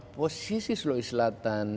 posisi sulawesi selatan